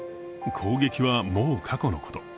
攻撃はもう過去のこと。